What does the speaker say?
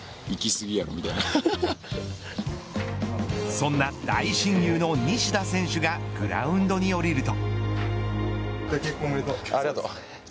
そんな大親友の西田選手がグラウンドに降りると。